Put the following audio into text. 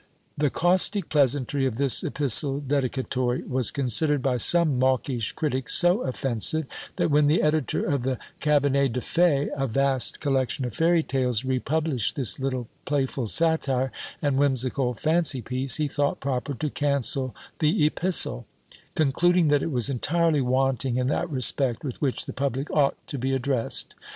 The caustic pleasantry of this "Epistle Dedicatory" was considered by some mawkish critics so offensive, that when the editor of the "Cabinet de Fées," a vast collection of fairy tales, republished this little playful satire and whimsical fancy piece, he thought proper to cancel the "Epistle:" concluding that it was entirely wanting in that respect with which the public ought to be addressed!